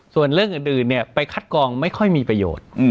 ส่วนเรื่องอื่นไปคัดกองไม่ค่อยมีประโยชน์